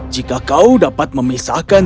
jika kau dapat memisahkan